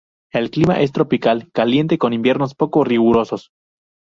El clima es tropical caliente con inviernos poco rigurosos.